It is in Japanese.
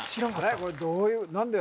これどういう何で？